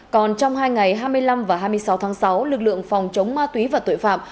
còn trong hai ngày hai mươi năm và hai mươi sáu tháng sáu lực lượng phòng chống ma túy và tội phạm